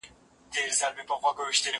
زه پرون ليکنې کوم!